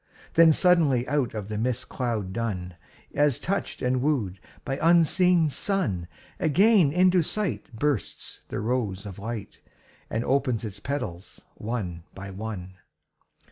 Then suddenly out of the mist cloud dun, As touched and wooed by unseen sun, Again into sight bursts the rose of light And opens its petals one by one.